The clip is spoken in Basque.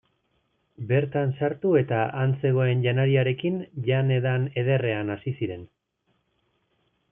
Bertan sartu eta han zegoen janariarekin jan-edan ederrean hasi ziren.